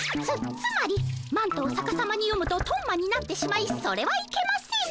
つまりマントをさかさまに読むとトンマになってしまいそれはいけません。